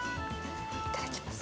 いただきます。